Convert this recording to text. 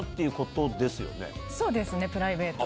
そうですねプライベート。